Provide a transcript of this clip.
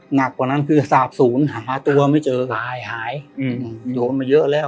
หนักกว่านั้นคือสาบศูนย์หาตัวไม่เจอหายหายโยนมาเยอะแล้ว